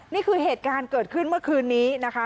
นี่คือเหตุการณ์เกิดขึ้นเมื่อคืนนี้นะคะ